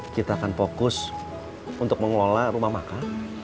kita akan fokus untuk mengelola rumah makan